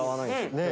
「ねえ」